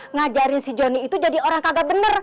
ngajarin si joni itu jadi orang kagak bener